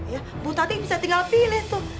ya bu tadi bisa tinggal pilih tuh